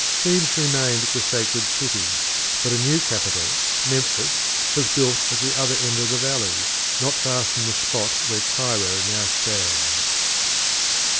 Thebes remained the sacred city, but a new capital, Memphis, was built at the other end of the valley, not far from the spot where Cairo now stands.